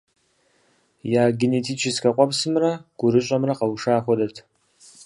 Я генетическэ къуэпсымрэ гурыщӏэмрэ къэуша хуэдэт.